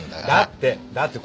だって。